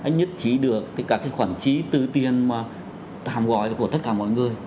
nhất trí được các cái khoản trí tư tiền mà hàm gọi là của tất cả mọi người